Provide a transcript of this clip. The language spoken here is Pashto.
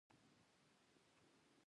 په خپل مخ کې تر پښو لاندې پراته ګوري.